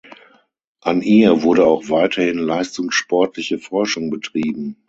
An ihr wurde auch weiterhin leistungssportliche Forschung betrieben.